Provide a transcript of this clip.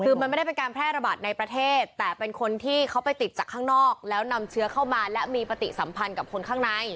คือมันไม่ได้เป็นการแพร่ระบาดในประเทศแต่เป็นคนที่เขาไปติดจากข้างนอกแล้วนำเชื้อเข้ามาและมีปฏิสัมพันธ์กับคนข้างใน